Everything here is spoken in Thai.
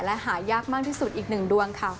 และหายากมากที่สุดอีกหนึ่งดวงค่ะ